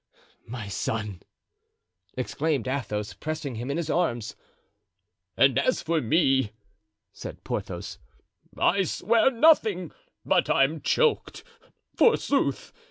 "My son!" exclaimed Athos, pressing him in his arms. "And as for me," said Porthos, "I swear nothing, but I'm choked. Forsooth!